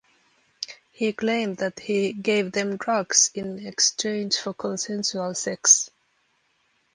He claimed that he gave them drugs in exchange for consensual sex.